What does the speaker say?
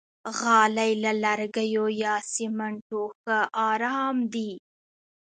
غالۍ له لرګیو یا سمنټو ښه آرام دي.